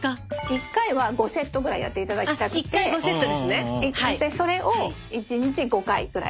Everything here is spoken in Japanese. １回は５セットぐらいやっていただきたくてそれを１日５回くらい。